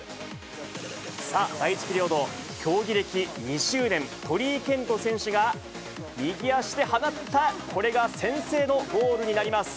さあ、第１ピリオド、競技歴２０年、鳥居健人選手が右足で放った、これが先制のゴールになります。